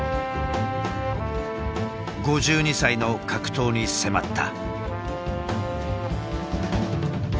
５２歳の格闘に迫った。